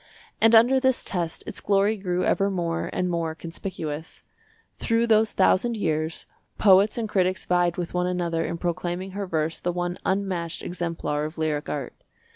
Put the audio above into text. And under this test its glory grew ever more and more conspicuous. Through those thousand years poets and critics vied with one another in proclaiming her verse the one unmatched exemplar of lyric art.